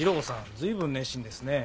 随分熱心ですね。